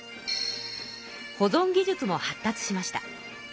保ぞん技術も発達しました。